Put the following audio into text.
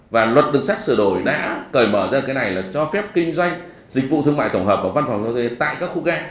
và luật đường sắt sửa đổi đã cởi mở ra cái này là cho phép kinh doanh dịch vụ thương mại tổng hợp và văn phòng giao dịch tại các khu ga